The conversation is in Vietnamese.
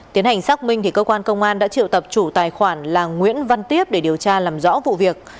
tiến hành xác minh thì công an công an đã triệu tập chủ tài khoản là nguyễn văn tiếp để điều tra làm rõ vụ việc